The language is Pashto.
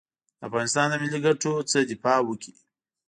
د افغانستان د ملي ګټو نه دفاع وکړي.